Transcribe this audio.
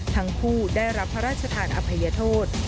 ทั้งคู่ได้รับพระราชทานอภัยโทษ